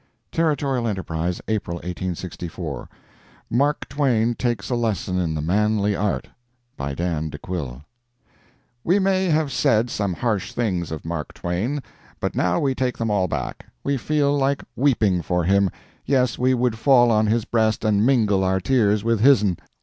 Territorial Enterprise, April 1864 MARK TWAIN TAKES A LESSON IN THE MANLY ART [by Dan DeQuille] We may have said some harsh things of Mark Twain, but now we take them all back. We feel like weeping for him—yes, we would fall on his breast and mingle our tears with his'n.